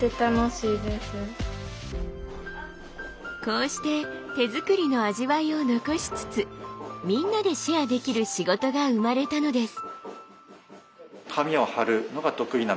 こうして手作りの味わいを残しつつみんなでシェアできる仕事が生まれたのです。